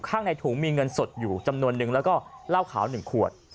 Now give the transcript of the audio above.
ข้างในถุงมีเงินสดอยู่จำนวนนึงแล้วก็เหล้าขาว๑ขวด